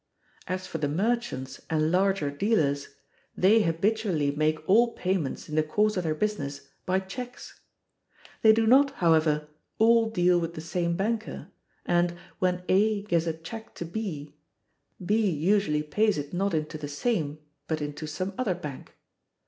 As for the merchants and larger dealers, they habitually make all payments in the course of their business by checks. They do not, however, all deal with the same banker, and, when A gives a check to B, B usually pays it not into the same but into some other bank.